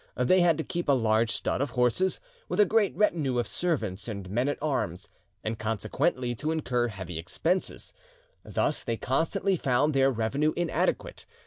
They had to keep a large stud of horses, with a great retinue of servants and men at arms, and consequently to incur heavy expenses; thus they constantly found their revenue inadequate.